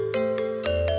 kamu juga suka